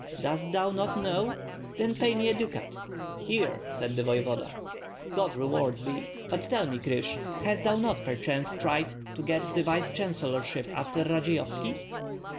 Dost thou not know? Then pay me a ducat." "Here!" said the voevoda. "God reward thee. But tell me, Krysh, hast thou not perchance tried to get the vice chancellorship after Radzeyovski?"